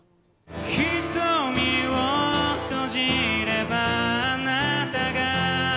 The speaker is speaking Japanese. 「瞳を閉じればあなたが」